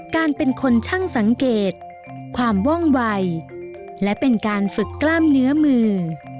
การเป็นคนช่างสังเกตความว่องวัยและเป็นการฝึกกล้ามเนื้อมือ